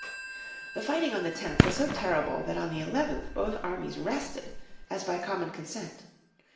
The fighting on the 10th was so terrible that on the 11th both armies rested as by common consent.